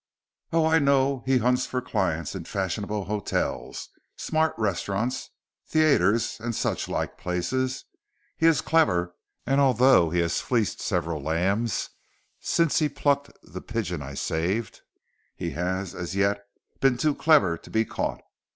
Oh I know how he hunts for clients in fashionable hotels, smart restaurants, theatres and such like places. He is clever, and although he has fleeced several lambs since he plucked the pigeon I saved, he has, as yet, been too clever to be caught.